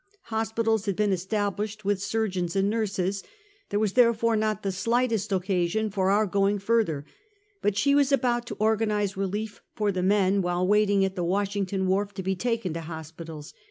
Hospitals had been established, with surgeons and nurses. There was therefore not the slightest occasion for our going further; but she was about to organize relief for the men while waiting at the Washington wharf to be taken to hospitals.